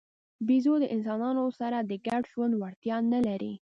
بیزو د انسانانو سره د ګډ ژوند وړتیا نه لري.